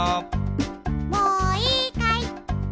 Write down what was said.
もういいかい？